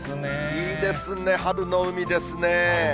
いいですね、春の海ですね。